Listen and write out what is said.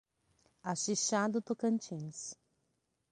Axixá do Tocantins